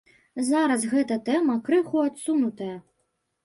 Зараз гэта тэма крыху адсунутая.